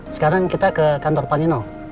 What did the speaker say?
sekarang kita ke kantor pak nino